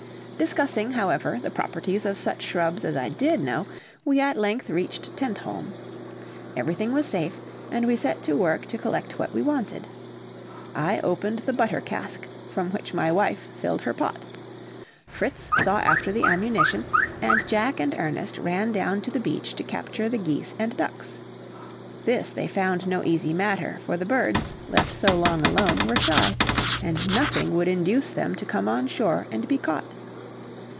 Discussing, however, the properties of such shrubs as I did know, we at length reached Tentholm. Everything was safe, and we set to work to collect what we wanted. I opened the butter cask, from which my wife filled her pot. Fritz saw after the ammunition, and Jack and Ernest ran down to the beach to capture the geese and ducks. This they found no easy matter, for the birds, left so long alone, were shy, and nothing would induce them to come on shore and be caught.